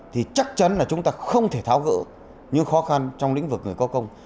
thì chắc chắn là chúng ta không thể tháo gỡ những khó khăn trong lĩnh vực người có công